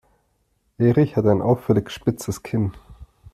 Erich hat ein auffällig spitzes Kinn.